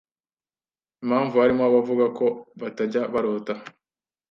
impamvu harimo abavuga ko batajya barota